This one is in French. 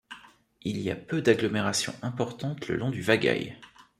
Il y a peu d'agglomérations importantes le long du Vagaï.